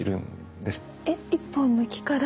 えっ一本の木から。